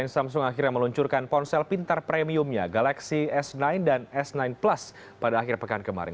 samsung akhirnya meluncurkan ponsel pintar premiumnya galaxy s sembilan dan s sembilan plus pada akhir pekan kemarin